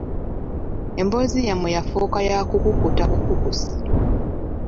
Emboozi yammwe yafuuka ya kukukuta bukukusi.